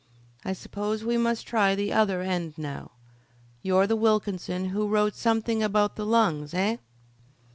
I suppose we must try the other end now. You're the Wilkinson who wrote something about the lungs? Heh?"